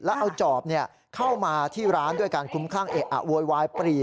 แล้วเอาจอบเข้ามาที่ร้านด้วยการคลุมคลั่งเอะอะโวยวายปรี